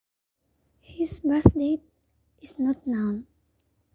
His birth date is not known.